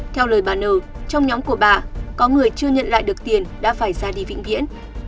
theo lời bà n trong nhóm của bà có người chưa nhận lại được tiền đã phải ra đi vĩnh viễn